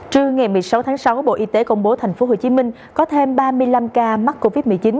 trưa ngày một mươi sáu tháng sáu bộ y tế công bố tp hcm có thêm ba mươi năm ca mắc covid một mươi chín